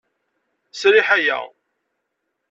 Sriḥ aya.